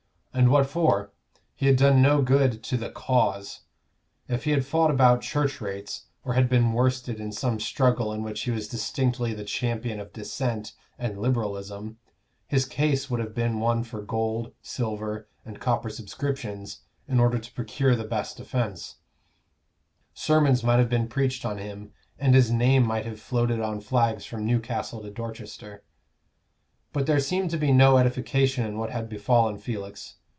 And what for? He had done no good to "the cause"; if he had fought about Church rates, or had been worsted in some struggle in which he was distinctly the champion of Dissent and Liberalism, his case would have been one for gold, silver, and copper subscriptions, in order to procure the best defence; sermons might have been preached on him, and his name might have floated on flags from Newcastle to Dorchester. But there seemed to be no edification in what had befallen Felix.